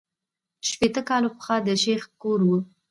شپېته کاله پخوا د شیخ کور وو.